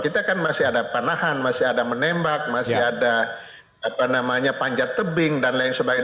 kita kan masih ada panahan masih ada menembak masih ada panjat tebing dan lain sebagainya